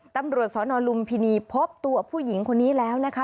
ตำรวจสนลุมพินีพบตัวผู้หญิงคนนี้แล้วนะคะ